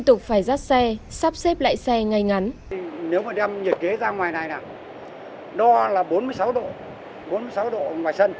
tục phải dắt xe sắp xếp lại xe ngay ngắn nếu mà đem nhiệt kế ra ngoài này nào đó là bốn mươi sáu độ bốn mươi sáu độ